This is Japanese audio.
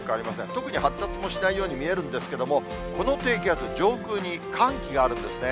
特に発達もしないように見えるんですけども、この低気圧、上空に寒気があるんですね。